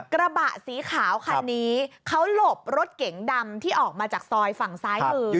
กระบะสีขาวคันนี้เขาหลบรถเก๋งดำที่ออกมาจากซอยฝั่งซ้ายมือ